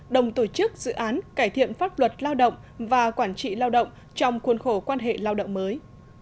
đồng tổ chức dự án cải thiện pháp luật lao động và quản trị lao động trong khuôn khổ quan hệ lao động mới